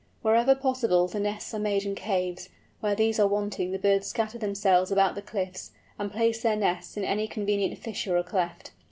Wherever possible the nests are made in caves; where these are wanting the birds scatter themselves about the cliffs, and place their nests in any convenient fissure or cleft.